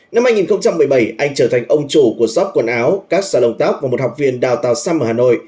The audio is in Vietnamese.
năm hai nghìn một mươi bảy anh trở thành ông chủ của sóc quần áo các xà lông tóc và một học viên đào tàu xăm ở hà nội